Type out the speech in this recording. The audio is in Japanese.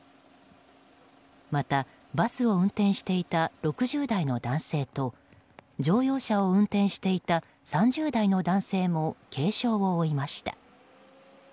また、バスを運転していた６０代の男性と乗用車を運転していた３０代の男性も軽傷を負いました。